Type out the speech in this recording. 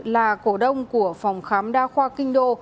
là cổ đông của phòng khám đa khoa kinh đô